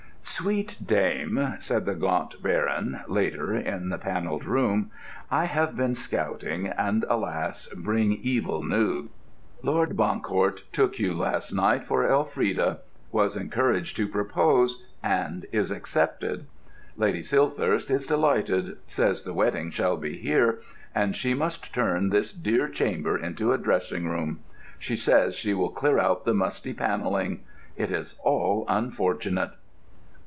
"Sweet dame," said the Gaunt Baron, later, in the Panelled Room, "I have been scouting, and, alas! bring evil news. Lord Bancourt took you last night for Elfrida, was encouraged to propose, and is accepted. Lady Silthirsk is delighted, says the wedding shall be here, and she must turn this dear chamber into a dressing room. She says she will clear out the musty panelling. It is all unfortunate."